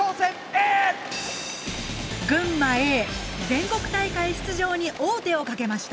全国大会出場に王手をかけました。